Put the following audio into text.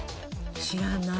知らない？